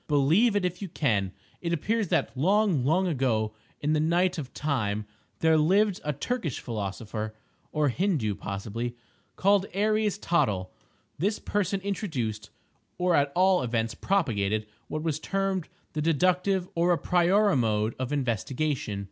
Believe it if you can! It appears that long, long ago, in the night of Time, there lived a Turkish philosopher (or Hindoo possibly) called Aries Tottle. This person introduced, or at all events propagated what was termed the deductive or a priori mode of investigation.